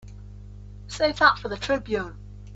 Save that for the Tribune.